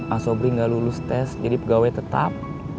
asobri nggak lulus tes jadi pegawai tetap